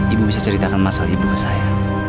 ibu bisa ceritakan masalah ibu saya